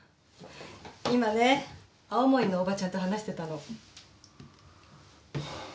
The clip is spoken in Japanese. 今ね青森のおばちゃんと話してたの。